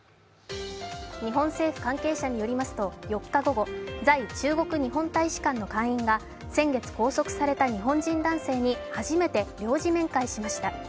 日本政府関係者によりますと４日午後、在中国日本大使館の館員が先月拘束された日本人男性に初めて領事面会しました。